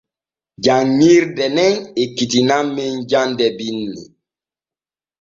Janŋirde nen ekkitinan men jande binni.